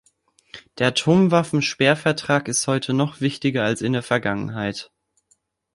Der Atomwaffensperrvertrag ist heute noch wichtiger als in der Vergangenheit.